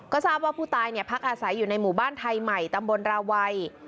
ก็ทราบว่าผู้ตายพักอาศัยอยู่ในหมู่บ้านไทยใหม่ตำบลราวัย